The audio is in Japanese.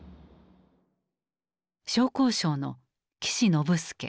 商工省の岸信介。